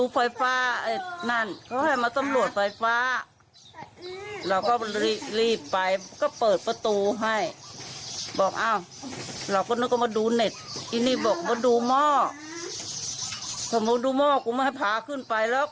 ป้าเปิดประตูให้ผมด้วยบอกว่ามาดูอะไรอ่ะมาดูไฟฟ้าอ่ะนั่น